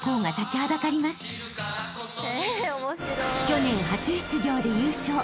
［去年初出場で優勝。